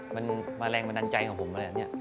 มันมาแรงมาดันใจกับผมอะไรอย่างนี้